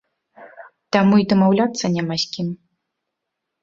Таму і дамаўляцца няма з кім.